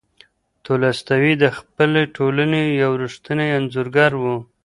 تولستوی د خپلې ټولنې یو ریښتینی انځورګر و.